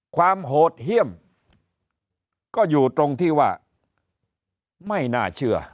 โหดเยี่ยมก็อยู่ตรงที่ว่าไม่น่าเชื่อ